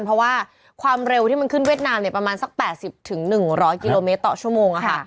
เพราะว่าความเร็วที่มันขึ้นเวียดนามประมาณสัก๘๐๑๐๐กิโลเมตรต่อชั่วโมง